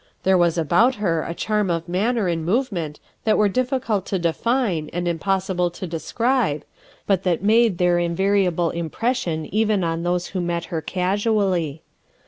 There was about her a charm of manner and movement that are diffi cult to define and impossible to describe, but that made their invariable impression even on those who met her casually.